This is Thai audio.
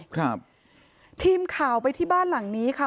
ครับทีมข่าวไปที่บ้านหลังนี้ค่ะ